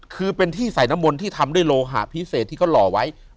คือเป็นที่ใส่น้ำมนต์ที่ทำด้วยโลหะพิเศษที่เขาหล่อไว้